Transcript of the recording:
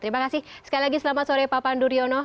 terima kasih sekali lagi selamat sore pak pandu riono